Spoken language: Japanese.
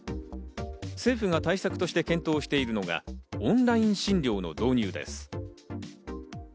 政府が対策として検討しているのがオンライン診療の導入です。